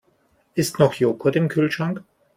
Ist noch Joghurt im Kühlschrank?